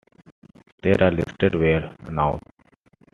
These are listed where known.